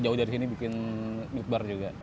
jauh dari sini bikin milk bar juga